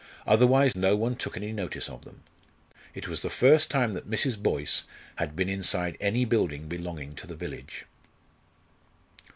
Otherwise no one took any notice of them. It was the first time that Mrs. Boyce had been inside any building belonging to the village.